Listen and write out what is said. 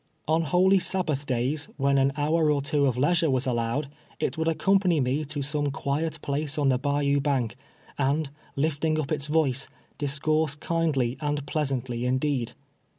On holy Sabbath days, when an hour or two of leisure was allowed, it would accompany me to some quiet place on the bayou bank, and, lifting lip its voice, discourse kindly and pleasantly indeed.